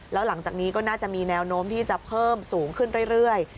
แล้วหลังจากนี้ก็น่าจะมีแนวโน้มที่จะเพิ่มสูงขึ้นเรื่อย